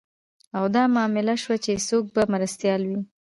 او دا معلومه شوه چې څوک به مرستیال وي